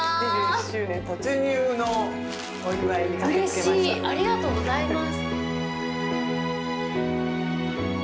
嬉しいありがとうございます